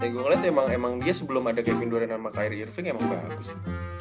ya gue ngeliat emang dia sebelum ada kevin durant sama kyrie irving emang bagus sih